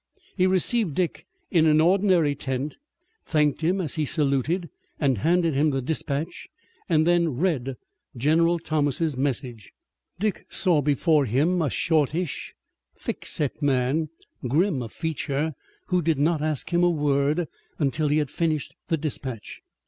He received Dick in an ordinary tent, thanked him as he saluted and handed him the dispatch, and then read General Thomas' message. Dick saw before him a shortish, thickset man, grim of feature, who did not ask him a word until he had finished the dispatch.